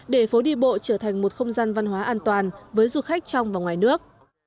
để phố đi bộ trở thành một không gian văn hóa an toàn với du khách trong và ngoài nước